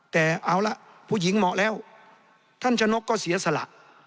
แต่เอาละผู้หญิงเหมาะแล้วท่านชนกก็เสียสละ